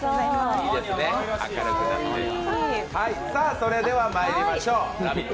それでは、まいりましょう、「ラヴィット！」